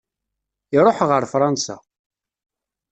Iruḥ ɣer Fransa.